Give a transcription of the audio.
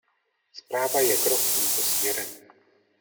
Zpráva je krok tímto směrem.